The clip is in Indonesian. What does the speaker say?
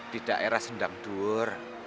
di daerah sendang dur